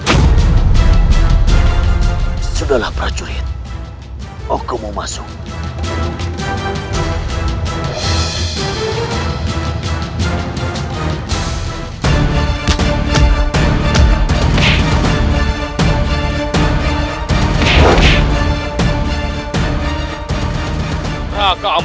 hai hai hai hai hai hai hai hai hai hai hai hai hai berani beraninya kau mengaku sebagai gusti amukmarugul pergi sana pergi dahasar orang asing